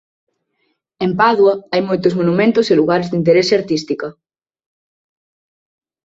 En Padua hai moitos monumentos e lugares de interese artística.